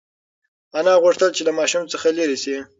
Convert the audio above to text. انا غوښتل چې له ماشوم څخه لرې شي.